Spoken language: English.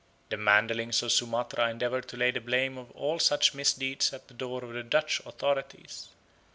The Mandelings of Sumatra endeavour to lay the blame of all such misdeeds at the door of the Dutch authorities.